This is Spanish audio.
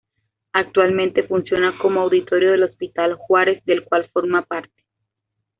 Actualmente funciona como auditorio del Hospital Juárez, del cual forma parte.